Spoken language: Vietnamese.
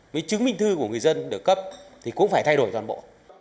với chứng minh thư của người dân được cấp thì cũng phải thay đổi toàn bộ